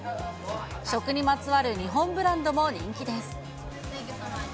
食にまつわる日本ブランドも人気です。